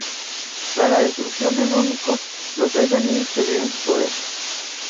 Tras la destrucción del Único, los Tres Anillos perdieron su poder.